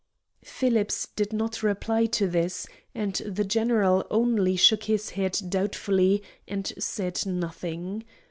Phillips did not reply to this, and the general only shook his head doubtfully and said nothing.